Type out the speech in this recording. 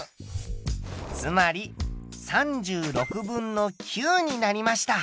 つまり３６分の９になりました。